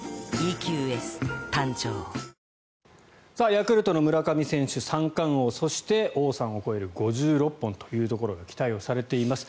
ヤクルトの村上選手三冠王そして、王さんを超える５６本というところが期待をされています。